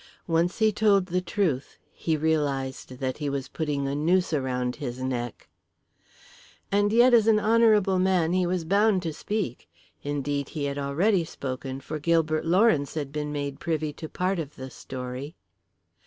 Once he told the truth he realized that he was putting a noose around his neck. And yet as an honourable man he was bound to speak, indeed he had already spoken, for Gilbert Lawrence had been made privy to part of the story.